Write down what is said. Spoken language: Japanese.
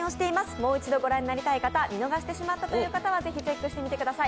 もう一度ご覧になりたい方見逃してしまったという方はぜひチェックしてみてください。